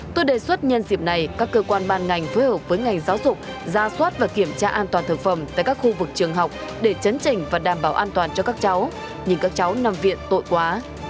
tôi đề xuất nhân dịp này các cơ quan ban ngành phối hợp với ngành giáo dục ra soát và kiểm tra an toàn thực phẩm tại các khu vực trường học để chấn trình và đảm bảo an toàn cho các cháu nhưng các cháu nằm viện tội quá